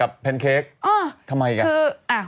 แพนเค้กทำไมกัน